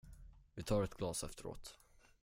Vi tar ett glas efteråt.